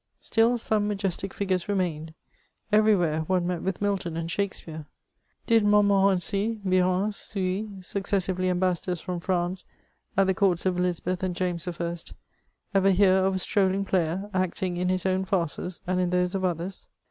Still, some majestic figures remained ; everywhere one met with Milton and Shakspeare. Did Montmorency, Biron, Sully, successively ambassadors from France at the courts of Elizabeth and James I., ever hear of a strolling player, acting in his own &rces and in those of others